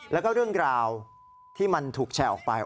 แล้วก็เรื่องราวที่มันถูกแชร์ออกไป